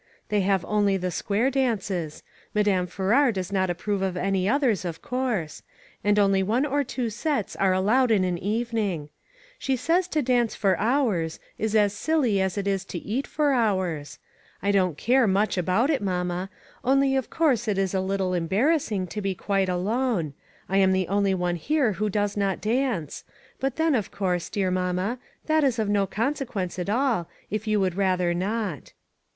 They have only the square dances ; Madame Farrar does not approve of any others, of course ; and only one or two sets are allowed in an evening She says to dance for hours, is as silly as it is to eat for hours. I don't care much about it, mamma; only, of course it is a little A TOUCH OF THE WORLD. 389 embarrassing to be quite alone. I am the only one here who does not dance ; but then, of course, dear mamma, that is of no consequence at all, if you would rather not."